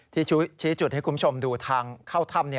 ที่ชี้จุดให้คุณผู้ชมดูทางเข้าถ้ำ